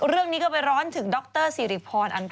เรื่องนี้ก็ไปร้อนถึงดรสิริพร